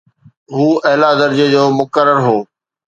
هو اعليٰ درجي جو مقرر هو.